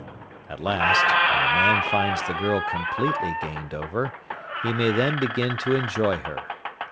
At last, when the man finds the girl completely gained over, he may then begin to enjoy her.